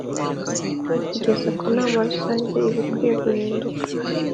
Kugeza ku nama Rusange ibikwiye guhinduka